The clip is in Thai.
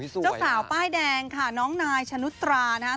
เจ้าสาวป้ายแดงนะครับน้องนายชะนุตรานะฮะ